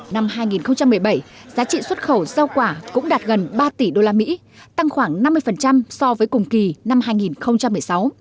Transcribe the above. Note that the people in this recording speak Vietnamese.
năm hai nghìn một mươi bảy giá trị xuất khẩu rau quả cũng đạt gần ba tỷ usd tăng khoảng năm mươi so với cùng kỳ năm hai nghìn một mươi sáu